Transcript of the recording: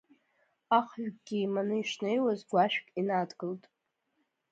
Ахҩыкгьы еиманы ишнеиуаз, гәашәк инадгылт.